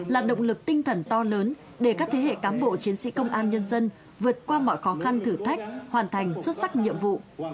là động lực tinh thần to lớn để các thế hệ cán bộ chiến sĩ công an nhân dân vượt qua mọi khó khăn thử thách hoàn thành xuất sắc nhiệm vụ